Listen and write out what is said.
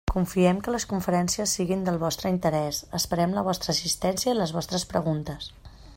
Confiem que les conferències siguin del vostre interès, esperem la vostra assistència i les vostres preguntes.